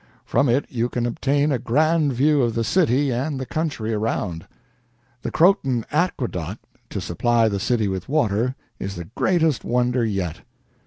From it you can obtain a grand view of the city and the country around. The Croton Aqueduct, to supply the city with water, is the greatest wonder yet.